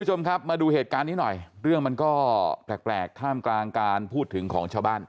คุณผู้ชมครับมาดูเหตุการณ์นี้หน่อยเรื่องมันก็แปลกท่ามกลางการพูดถึงของชาวบ้าน